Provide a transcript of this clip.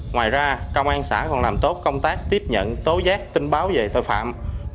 ngoài ra công an xã còn làm tốt công tác tiếp nhận tố giác tin báo về tội phạm